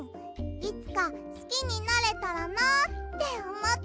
いつかすきになれたらなあっておもってかいたの。